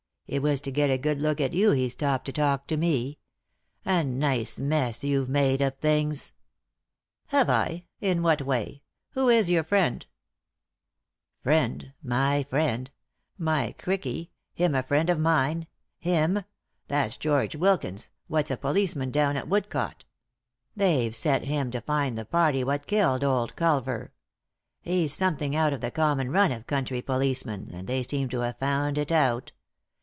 It was to get a good look at you he stopped to talk to me. A nice mess you've made of things 1 "" Have I ? In what way ? Who is your friend?" " Friend — my friend 1 my crikey — him a friend of mine 1 Him I That's George Wilkins, what's a police man down at Woodcote. They've set him to find the party what killed old Culver. He's something out of the common run of country policemen, and they seem to have found it out.